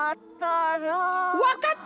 わかった！